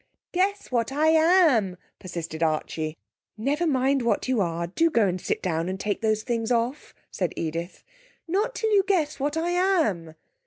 'Guess what I am,' persisted Archie. 'Never mind what you are; do go and sit down, and take those things off,' said Edith. 'Not till you guess what I am.'